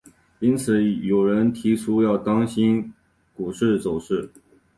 因此有人提出要当心股市走势。